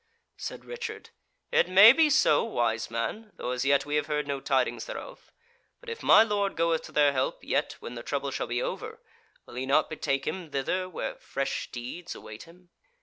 Said Richard: "It may be so, wise man, though as yet we have heard no tidings thereof. But if my lord goeth to their help, yet, when the trouble shall be over, will he not betake him thither where fresh deeds await him?"